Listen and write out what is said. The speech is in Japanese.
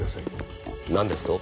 なんですと？